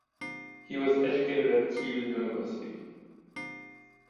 He was educated at Kiel University.